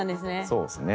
そうですね。